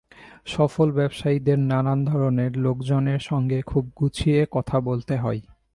সফল ব্যবসায়ীদের নানান ধরনের লোকজনের সঙ্গে খুব গুছিয়ে কথা বলতে হয়।